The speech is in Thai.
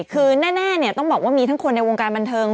คือแน่ต้องบอกว่ามีทั้งคนในวงการบันเทิง